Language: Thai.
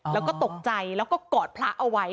แล้วก็ตกใจแล้วก็กอดพระเอาไว้